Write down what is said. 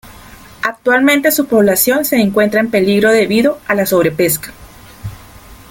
Actualmente su población se encuentra en peligro debido a la sobrepesca.